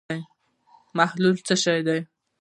محلول څه شی دی.